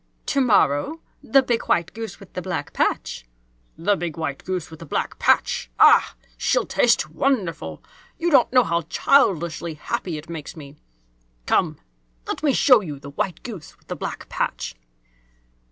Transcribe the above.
"To morrow? The big white goose with the black patch." "The big white goose with the black patch! Ah! She'll taste wonderful! You don't know how childishly happy it makes me. Come, let me show you the white goose with the black patch!"